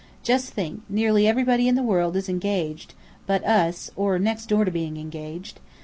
Just think, nearly everybody in the world is engaged, but us or next door to being engaged.